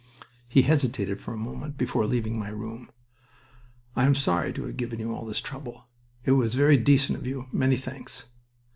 He hesitated for a moment before leaving my room. "I am sorry to have given you all this trouble. It was very decent of you. Many thanks."